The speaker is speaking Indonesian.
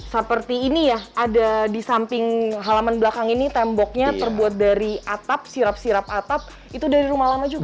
seperti ini ya ada di samping halaman belakang ini temboknya terbuat dari atap sirap sirap atap itu dari rumah lama juga